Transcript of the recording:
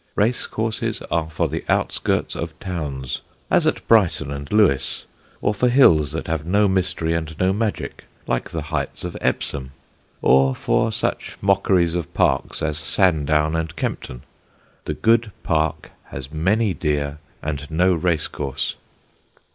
Race courses are for the outskirts of towns, as at Brighton and Lewes; or for hills that have no mystery and no magic, like the heights of Epsom; or for such mockeries of parks as Sandown and Kempton. The good park has many deer and no race course.